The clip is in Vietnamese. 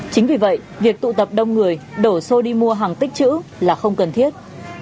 chính vì vậy việc tụ tập đông người đổ xô đi mua hàng tích chữ là không cần thiết